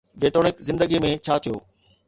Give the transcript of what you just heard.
جيتوڻيڪ زندگي ۾ ڇا ٿيو؟